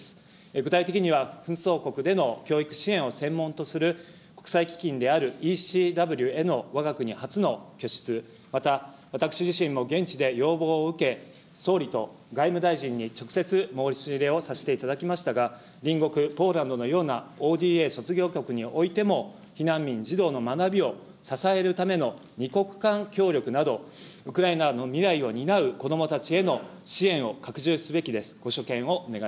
具体的には、紛争国での教育支援を専門とする国際基金であるＥＣＷへのわが国初の拠出、また私自身も現地で要望を受け、総理と外務大臣に直接申し入れをさせていただきましたが、隣国ポーランドのようなＯＤＡ卒業国においても、避難民、児童の学びを支えるための２国間協力など、ウクライナの未来を担うこどもたちへの支援を拡充すべきです。